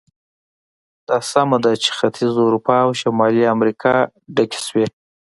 دا سمه ده چې ختیځه اروپا او شمالي امریکا ډکې شوې.